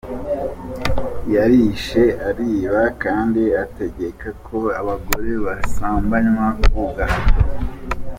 Yarishe, ariba kandi ategeka ko abagore basambanywa ku gahato.